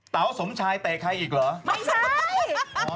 เต๋าสมชายเตะใครอีกเหรอ